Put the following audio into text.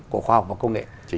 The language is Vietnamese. của khoa học và công nghệ